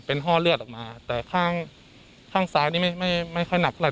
ห้อเลือดออกมาแต่ข้างข้างซ้ายนี่ไม่ค่อยหนักเท่าไห